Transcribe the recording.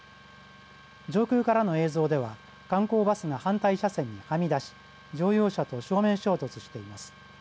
上空からの映像では観光バスが反対車線に、はみ出し乗用車と正面衝突しています。